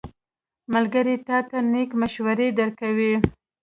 ملګری تا ته نېک مشورې درکوي.